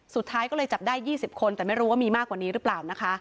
สุดท้ายก็เลยจับได้๒๐คนแต่ไม่รู้ว่ามีมากกว่านี้หรือเปล่านะคะ